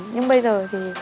nhưng bây giờ thì